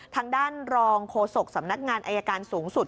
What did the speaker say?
ทางด้านรองโฆษกสำนักงานอายการสูงสุด